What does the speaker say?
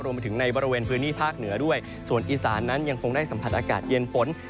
รวมไปถึงในบริเวณพื้นที่ภาคเหนือด้วยส่วนอีสานนั้นยังคงได้สัมผัสอากาศเย็นฝน